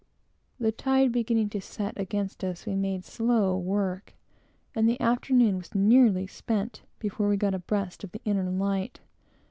The tide beginning to set against us, we made slow work; and the afternoon was nearly spent, before we got abreast of the inner light.